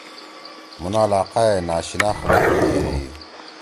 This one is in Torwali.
مُھن علاقہ ئے ناشِنا خلگ ہُم یدی۔